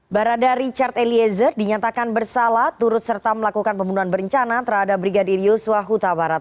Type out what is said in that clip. barada richard eliezer dinyatakan bersalah turut serta melakukan pembunuhan berencana terhadap brigadir yusua huta barat